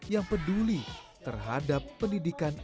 yang peduli terhadap pendidikan